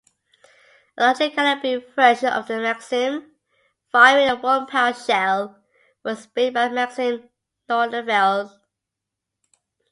A larger-calibre version of the Maxim, firing a one-pound shell, was built by Maxim-Nordenfeldt.